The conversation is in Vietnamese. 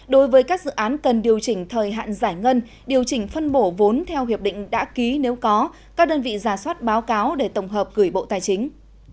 đối với các dự án cần điều chỉnh thời hạn giải ngân điều chỉnh phân bổ vốn theo hiệp định đã ký nếu có các đơn vị giả soát báo cáo để tổng hợp gửi bộ tài chính